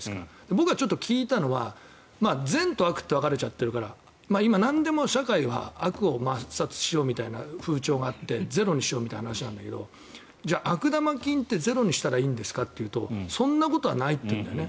僕は聞いたのは善と悪って分かれちゃってるから今、なんでも社会は悪を抹殺しようみたいな風潮があってゼロにしようみたいな話なんだけどじゃあ、悪玉菌ってゼロにしたらいいんですかというとそんなことはないというんだよね。